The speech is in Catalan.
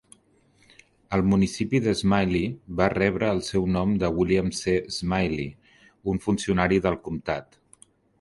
El municipi de Smiley va rebre el seu nom de Wlliam C. Smiley, un funcionari del comtat.